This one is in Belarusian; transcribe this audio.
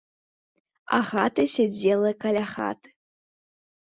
Агата сядзела каля хаты.